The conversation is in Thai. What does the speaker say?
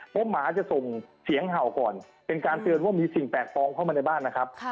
เพราะหมาจะส่งเสียงเห่าก่อนเป็นการเตือนว่ามีสิ่งแปลกปลอมเข้ามาในบ้านนะครับ